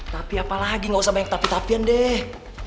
tapi apa lagi gak usah banyak ketapi tapian deh